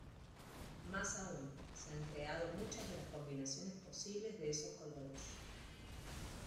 Más aún, se han creado muchas de las combinaciones posibles de esos colores.